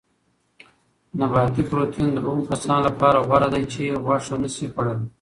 نباتي پروټین د هغو کسانو لپاره غوره دی چې غوښه نه شي خوړلای.